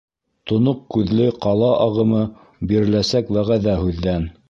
Тоноҡ күҙле ҡала ағымы Биреләсәк вәғәҙә һүҙҙән.